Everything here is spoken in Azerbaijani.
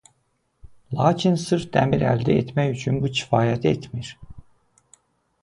Lakin sırf dəmir əldə etmək üçün bu kifayət etmirdi.